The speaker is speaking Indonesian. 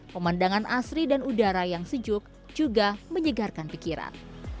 pemandangan asri dan udara yang sejuk juga menyegarkan pikiran